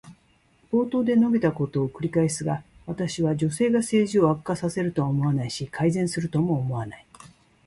冒頭で述べたことを繰り返すが、私は女性が政治を悪化させるとは思わないし、改善するとも思わない。